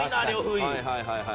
はいはいはいはいはい。